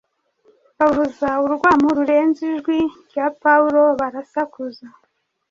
Bavuza urwamu rurenze ijwi rya Pawulo, barasakuza